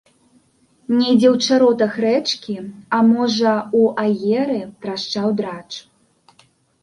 Недзе ў чаротах рэчкі, а можа, у аеры трашчаў драч.